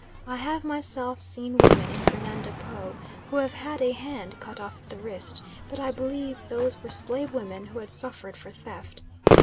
I have myself seen women in Fernando Po who have had a hand cut off at the wrist, but I believe those were slave women who had suffered for theft.